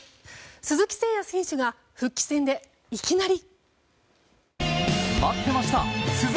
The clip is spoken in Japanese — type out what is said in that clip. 鈴木誠也選手が復帰戦で、いきなり。